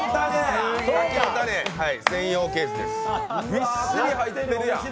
びっしり入ってるやん。